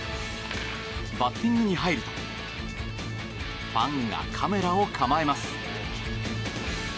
バッティングに入るとファンがカメラを構えます。